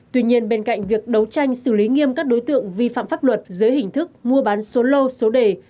tuy nhiên bên cạnh việc đấu tranh xử lý nghiêm các đối tượng vi phạm pháp luật dưới hình thức mua bán số lô số đề